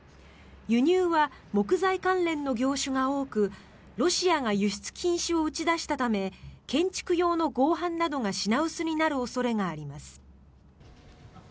輸入は木材関連の業種が多くロシアが輸出禁止を打ち出したため建築用の合板などが品薄になる恐れがあります。